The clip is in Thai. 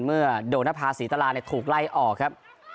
เมื่อโดนภาษีตราถูกไล่ออกครับ